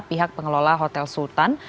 pihak pengelola hotel sultan